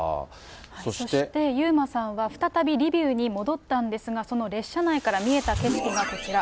そして、遊馬さんは、再びリビウに戻ったんですが、その列車内から見えた景色がこちら。